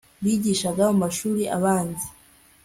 bigishaga mu mashuri abanza